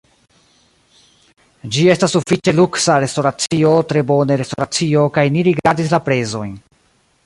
ĝi estas sufiĉe luksa restoracio tre bone restoracio kaj ni rigardis la prezojn